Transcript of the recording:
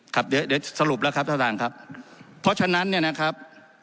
ครับเดี๋ยวเดี๋ยวสรุปแล้วครับท่านประธานครับเพราะฉะนั้นเนี่ยนะครับ